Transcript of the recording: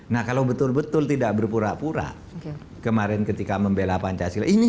nah kalau betul betul tidak berpura pura kemarin ketika membela pancasila ini